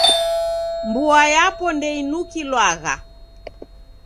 Mboa yapo ndeinukilwagha.